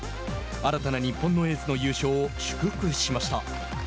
新たな日本のエースの優勝を祝福しました。